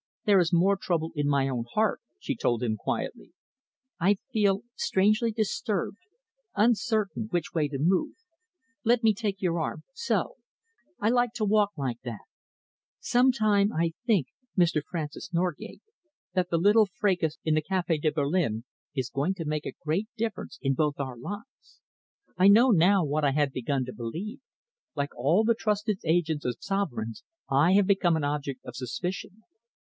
"There is more trouble in my own heart," she told him quietly. "I feel strangely disturbed, uncertain which way to move. Let me take your arm so. I like to walk like that. Somehow I think, Mr. Francis Norgate, that that little fracas in the Café de Berlin is going to make a great difference in both our lives. I know now what I had begun to believe. Like all the trusted agents of sovereigns, I have become an object of suspicion.